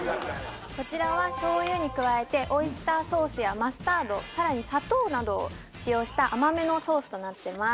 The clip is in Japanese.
こちらは醤油に加えてオイスターソースやマスタードさらに砂糖などを使用した甘めのソースとなってます